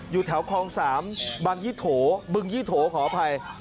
อยู่แถวคลอง๓บังยี่โถบึงยี่โถขออภัย